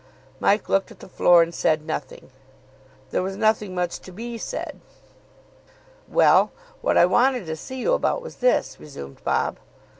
Mike looked at the floor, and said nothing. There was nothing much to be said. "Well, what I wanted to see you about was this," resumed Bob.